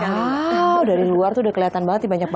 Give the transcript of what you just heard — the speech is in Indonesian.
wow dari luar tuh udah kelihatan banget